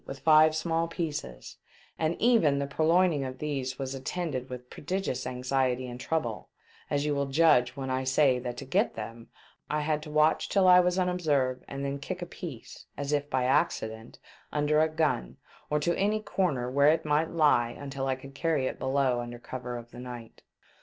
with five small pieces, and even the purloin ing of these was attended with prodigious anxiety and trouble, as you will judge when I say that to get them I had to watch till I was unobserved and then kick a piece, as if by accident, under a gun, or to any corner where it might lie until I could carry it below under cover of the night.